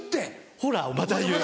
ほらまた言う。